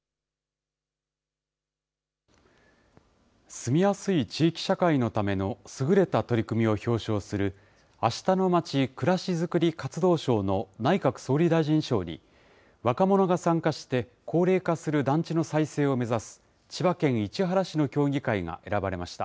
住みやすい地域社会のための優れた取り組みを表彰する、あしたのまち・くらしづくり活動賞の内閣総理大臣賞に、若者が参加して高齢化する団地の再生を目指す、千葉県市原市の協議会が選ばれました。